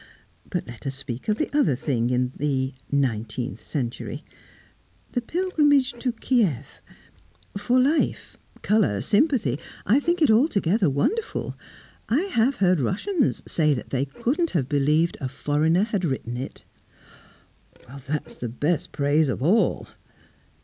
But let us speak of the other thing, in the Nineteenth Century 'The Pilgrimage to Kief.' For life, colour, sympathy, I think it altogether wonderful. I have heard Russians say that they couldn't have believed a foreigner had written it." "That's the best praise of all."